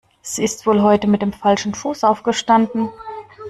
Sie ist wohl heute mit dem falschen Fuß aufgestanden.